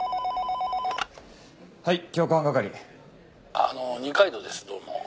「あの二階堂ですどうも」